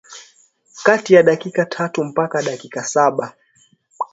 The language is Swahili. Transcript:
kati ya dakika tatu mpaka dakika saba